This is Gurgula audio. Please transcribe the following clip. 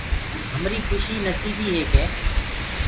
همريٚ کُش نسيٚبيٚ هي ڪي